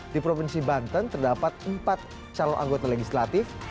di provinsi banten terdapat empat calon anggota legislatif